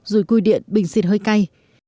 dùi cui điện bình xịt hơi cay